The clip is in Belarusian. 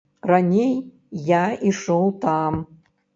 Раней я ішоў там.